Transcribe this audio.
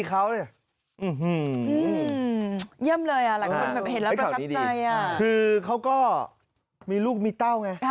คือเขาก็มีลูกมีเต้าไง